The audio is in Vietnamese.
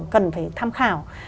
cần phải tham khảo